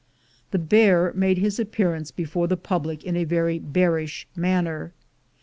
The bear made his appearance before the public in a very bearish m.anner.